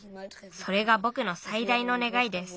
それがぼくのさいだいのねがいです。